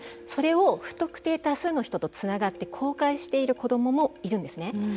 それを不特定多数の人とつながって公開している子どももいるんですね。